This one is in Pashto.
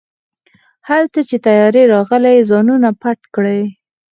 هلته چې طيارې راغلې ځانونه پټ کړئ.